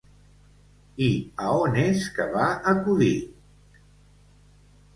I a on és que va acudir?